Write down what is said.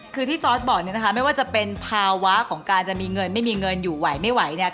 คือที่จอร์ดบอกเนี่ยนะคะไม่ว่าจะเป็นภาวะของการจะมีเงินไม่มีเงินอยู่ไหวไม่ไหวเนี่ย